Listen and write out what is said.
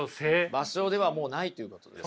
場所ではもうないということです。